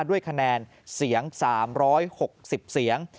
ด้วยคะแนนเสียง๓๖๐เสียง